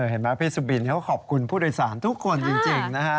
เห็นไหมพี่สุบินเขาขอบคุณผู้โดยสารทุกคนจริงนะฮะ